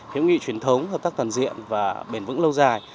hiệu nghị truyền thống hợp tác toàn diện và bền vững lâu dài